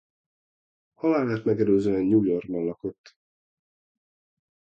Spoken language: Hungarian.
Halálát megelőzően New Yorkban lakott.